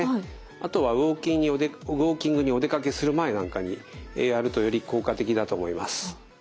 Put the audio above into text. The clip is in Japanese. あとはウォーキングにお出かけする前なんかにやるとより効果的だと思います。